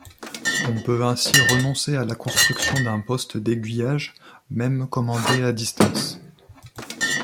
On peut ainsi renoncer à la construction d'un poste d'aiguillage, même commandé à distance.